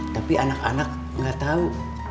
tapi anak anak nggak tahu